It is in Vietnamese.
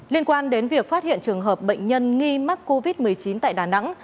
liên quan đến việc phát hiện trường hợp bệnh nhân nghi mắc covid một mươi chín tại đà nẵng